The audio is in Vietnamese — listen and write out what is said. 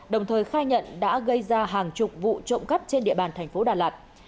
đồng thời khai nhận đã gây ra hàng chục vụ trộm cắp trên địa bàn tp đà lạt